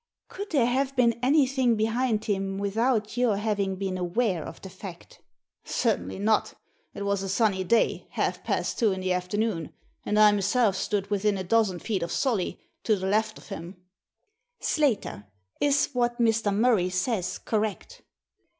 Could there have been anything behind him with out your having been aware of the fact ?"" Certainly not It was a sunny day, half past two Digitized by VjOOQIC 22 THE SEEN AND THE UNSEEN in the afternoon, and I myself stood within a dozen feet of Solly, to the left of him," " Slater, is what Mr. Murray says correct